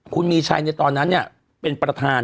คุณมีชัยเนี่ยตอนนั้นเนี่ยเป็นประธาน